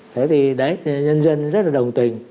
thế thì đấy nhân dân rất là đồng tình